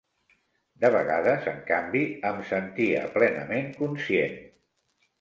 De vegades, en canvi, em sentia plenament conscient